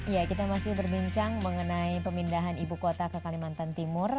ya kita masih berbincang mengenai pemindahan ibu kota ke kalimantan timur